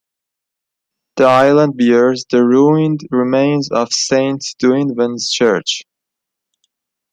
The island bears the ruined remains of Saint Dwynwen's Church.